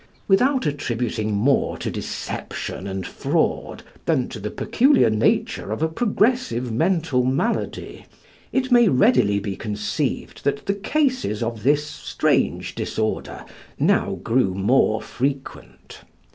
Without attributing more to deception and fraud than to the peculiar nature of a progressive mental malady, it may readily be conceived that the cases of this strange disorder now grew more frequent.